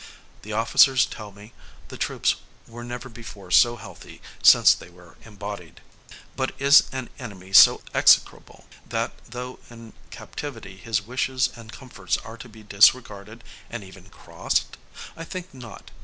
The officers tell me, the troops were never before so healthy since they were embodied. But is an enemy so execrable, that, though in captivity, his wishes and comforts are to be disregarded and even crossed? I think not.